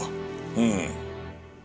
うん。